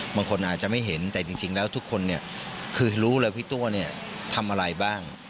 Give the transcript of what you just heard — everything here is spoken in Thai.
บางคนอาจจะไม่เห็นแต่จริงแล้วทุกคนคือรู้แล้วพี่ตัวทำอะไรบ้าง